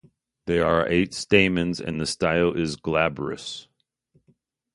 There are eight stamens and the style is glabrous.